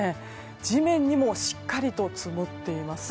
地面にもしっかりと積もっています。